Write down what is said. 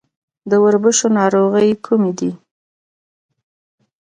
د وربشو ناروغۍ کومې دي؟